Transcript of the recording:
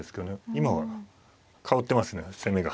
今は替わってますね攻めが。